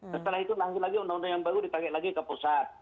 setelah itu langsung lagi undang undang yang baru ditarik lagi ke pusat